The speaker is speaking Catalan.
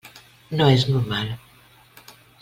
No és normal.